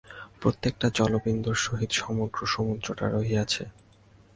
প্রত্যেকটি জলবিন্দুর সহিত সমগ্র সমুদ্রটি রহিয়াছে।